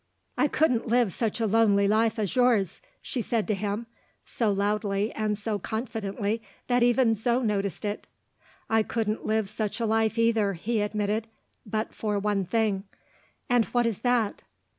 "I couldn't live such a lonely life as yours," she said to him so loudly and so confidently that even Zo noticed it. "I couldn't live such a life either," he admitted, "but for one thing." "And what is that?"